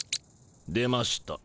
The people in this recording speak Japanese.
出ました。